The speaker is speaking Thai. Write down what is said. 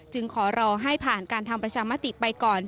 ขอรอให้ผ่านการทำประชามติไปก่อน